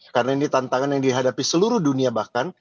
karena ini tantangan yang dihadapi seluruh dunia bahkan